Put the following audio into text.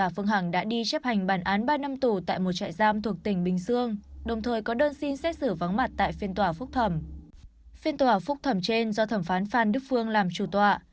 phiên tòa phúc thẩm trên do thẩm phán phan đức phương làm trù tọa